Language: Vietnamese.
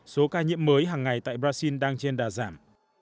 số ca nhiễm mới hàng ngày tại brazil đang trên đà giảm